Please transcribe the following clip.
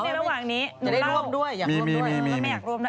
จะได้ร่วมด้วยอยากร่วมด้วยนะครับไม่อยากร่วมด้วย